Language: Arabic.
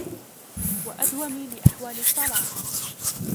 وَأَدْوَمِ لِأَحْوَالِ الصَّلَاحِ